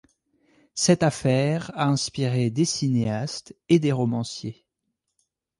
Cette affaire a inspiré des cinéastes et des romanciers.